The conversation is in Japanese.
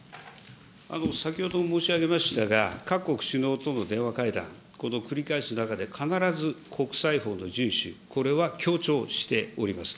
先ほども申し上げましたが、各国首脳との電話会談、これ繰り返す中で必ず国際法の順守、これは強調しております。